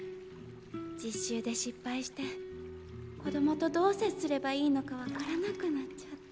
実習で失敗して子供とどう接すればいいのか分からなくなっちゃって。